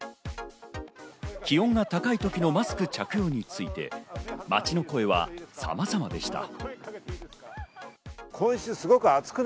気温が高い時のマスク着用について、街の声はさまざまでした。